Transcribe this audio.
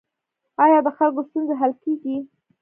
آیا د خلکو ستونزې حل کیږي؟